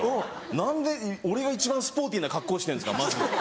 何で俺が一番スポーティーな格好してるんですかまず。